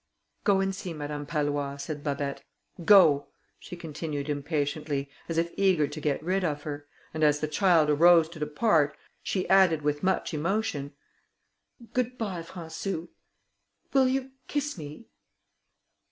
"Go and see Madame Pallois," said Babet: "go," she continued impatiently, as if eager to get rid of her, and as the child arose to depart she added with much emotion "Good bye, Françou, will you kiss me?"